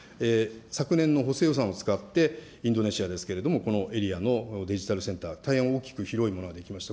昨年の補正予算を使って、インドネシアですけれども、このエリアのデジタルセンターの大変大きく広いものが出来ました。